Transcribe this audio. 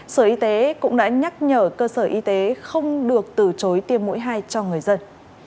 sở y tế cũng đã nhắc nhở cơ sở y tế không được từ chối tiêm mũi hai cho người dân